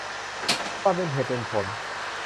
ความเป็นเหตุเป็นผล